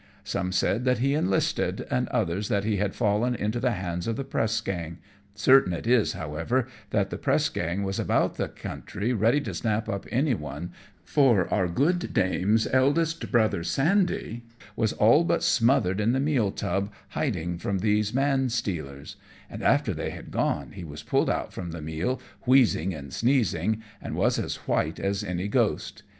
Some said that he enlisted, and others that he had fallen into the hands of the press gang; certain it is, anyhow, that the press gang was about the country ready to snap up anyone, for our good dame's eldest brother, Sandy, was all but smothered in the meal tub, hiding from these man stealers; and after they had gone he was pulled out from the meal wheezing and sneezing, and was as white as any ghost.